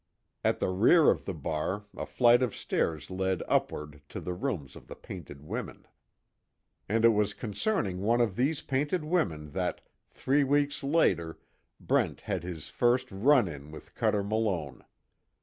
At the rear of the bar a flight of stairs led upward to the rooms of the painted women. And it was concerning one of these painted women that, three weeks later, Brent had his first "run in" with Cuter Malone.